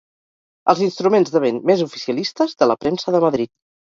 Els instruments de vent més oficialistes de la premsa de Madrid.